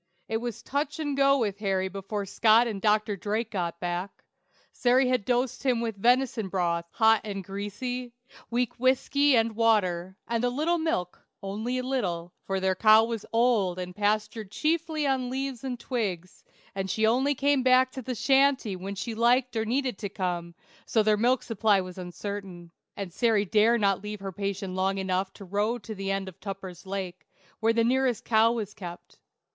It was touch and go with Harry before Scott and Dr. Drake got back. Sary had dosed him with venison broth, hot and greasy, weak whiskey and water, and a little milk (only a little), for their cow was old and pastured chiefly on leaves and twigs, and she only came back to the shanty when she liked or needed to come, so their milk supply was uncertain, and Sary dared not leave her patient long enough to row to the end of Tupper's Lake, where the nearest cow was kept.